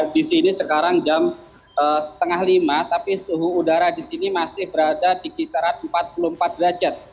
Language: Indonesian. di sini sekarang jam setengah lima tapi suhu udara di sini masih berada di kisaran empat puluh empat derajat